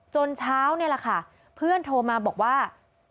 เช้านี่แหละค่ะเพื่อนโทรมาบอกว่า